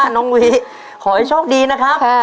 น้องนุ้ยขอให้โชคดีนะครับ